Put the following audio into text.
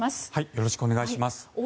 よろしくお願いします。